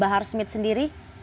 bahar smith sendiri